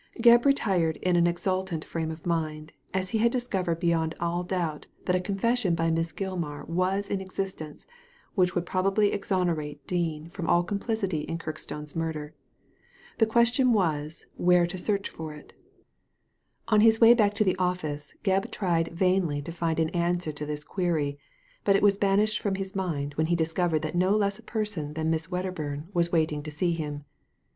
Gebb retired in an exultant frame of mind, as he had discovered beyond all doubt that a con fession by Miss Gilmar was in existence which would probably exonerate Dean from all complicity in Kirk stone's murder. The question was, where to search for it On his way back to the office Gebb tried vainly to find an answer to this query, but it was banished from his mind when he discovered that no less a person than Miss Wedderburn was waiting to see him.